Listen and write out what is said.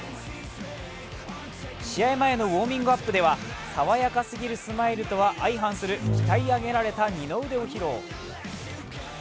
試合前のウォーミングアップでは、爽やかすぎるスマイルとは相反する鍛え上げられた二の腕を披露。